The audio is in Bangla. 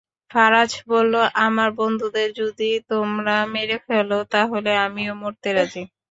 ফারাজ বলল, আমার বন্ধুদের যদি তোমরা মেরে ফেল, তাহলেও আমিও মরতে রাজি।